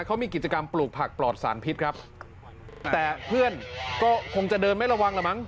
เขามีกิจกรรมปลูกผักปลอดสารพิษครับแต่เพื่อนก็คงจะเดินไม่ระวังละมั